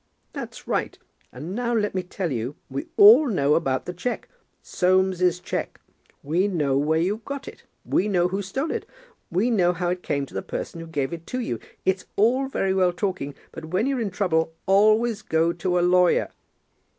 "That's right. And now let me tell you we know all about the cheque, Soames's cheque. We know where you got it. We know who stole it. We know how it came to the person who gave it to you. It's all very well talking, but when you're in trouble always go to a lawyer."